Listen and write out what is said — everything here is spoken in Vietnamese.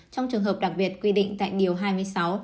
trong trường hợp đặc biệt quy định tại điều hai mươi sáu